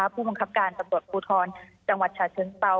ผู้บังคับการตำรวจภูทรจังหวัดฉะเชิงเซา